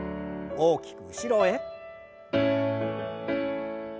大きく後ろへ。